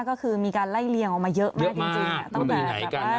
ก็คือมีการไล่เลี่ยงออกมาเยอะมากจริง